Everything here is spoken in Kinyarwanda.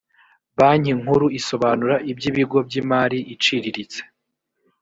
banki nkuru isobanura iby’ibigo by’imari iciriritse